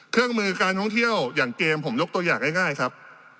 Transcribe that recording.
เครื่องมือการท่องเที่ยวอย่างเกมผมยกตัวอย่างง่ายครับ